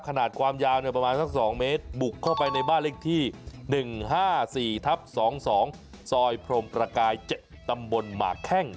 ขนาดความยาวประมาณสัก๒เมตรบุกเข้าไปในบ้านเลขที่๑๕๔ทับ๒๒ซอยพรมประกาย๗ตำบลหมากแข้ง